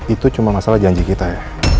itu cuma masalah janji kita ya